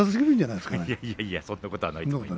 いやいや、そんなことはないでしょう。